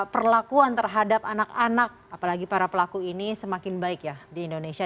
perlakuan terhadap anak anak apalagi para pelaku ini semakin baik ya di indonesia